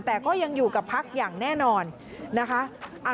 แต่ก็ยังอยู่กับพักอย่างแน่นอนนะคะ